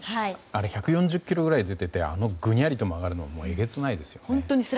あれ、１４０キロくらい出ててあんなにぐにゃりと曲がるのはえげつないですね。